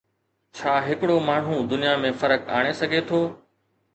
ڇا ھڪڙو ماڻھو دنيا ۾ فرق آڻي سگھي ٿو؟